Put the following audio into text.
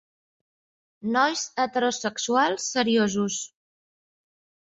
Nois heterosexuals seriosos.